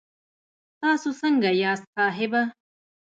تاسو سنګه یاست صاحبه